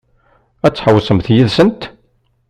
Ad tḥewwsemt yid-sent?